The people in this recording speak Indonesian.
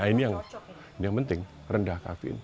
ini yang penting rendah kafein